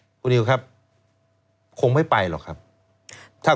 คุณนิวจดไว้หมื่นบาทต่อเดือนมีค่าเสี่ยงให้ด้วย